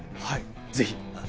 はいぜひ。